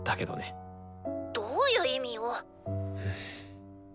どういう意味よ！？